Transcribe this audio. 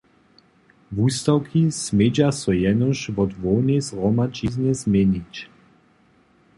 Wustawki smědźa so jenož wot hłownej zhromadźiznje změnić.